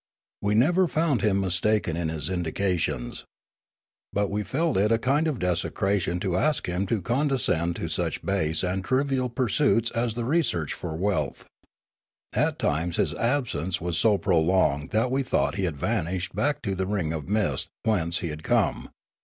We never found him mistaken in his in dications. But we felt it a kind of desecration to ask him to condescend to such base and trivial pursuits as the research for wealth. At times his absence was so prolonged that we thought he had vanished back to the ring of mist, whence he had come.